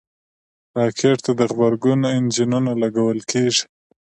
راکټ ته د غبرګون انجنونه لګول کېږي